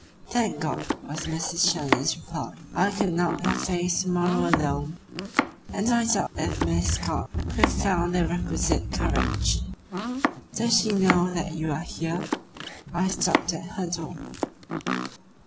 "Thank God," was Mr. Challoner's reply. "I could not have faced to morrow alone and I doubt if Miss Scott could have found the requisite courage. Does she know that you are here?" "I stopped at her door."